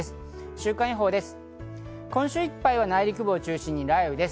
週間予報です。